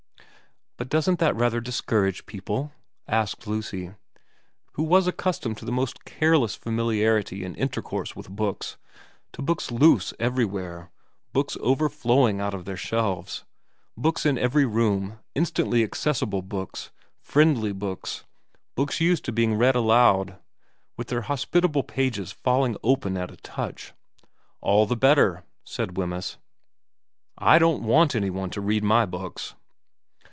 * But doesn't that rather discourage people ?' asked Lucy, who was accustomed to the most careless famili arity in intercourse with books, to books loose every 200 VERA where, books overflowing out of their shelves, books in every room, instantly accessible books, friendly books, books used to being read aloud, with their hospitable pages falling open at a touch. ' All the better,' said Wemyss. */ don't want anybody to read my books.'